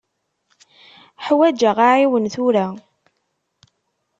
Ḥwaǧeɣ aɛiwen tura.